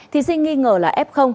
thí sinh nghi ngờ là f